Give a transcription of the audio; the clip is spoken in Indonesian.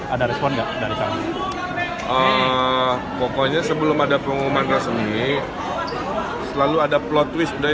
ada respon nggak dari kami pokoknya sebelum ada pengumuman resmi selalu ada plot twist dari